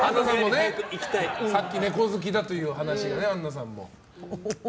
さっきネコ好きだというお話がアンナさんからも。